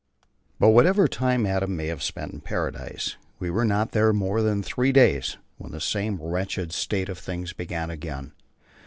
But whatever time Adam may have spent in Paradise, we were not there more than three days, and then the same wretched state of things began again.